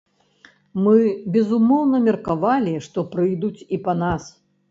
Мы, безумоўна, меркавалі, што прыйдуць і па нас.